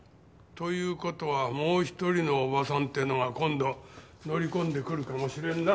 という事はもう１人の叔母さんってのが今度乗り込んで来るかもしれんな。